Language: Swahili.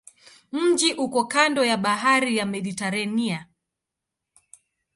Mji uko kando ya bahari ya Mediteranea.